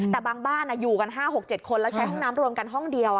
แต่บางบ้านอยู่กัน๕๖๗คนแล้วใช้ห้องน้ำรวมกันห้องเดียว